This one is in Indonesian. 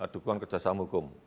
dukungan kerjasama hukum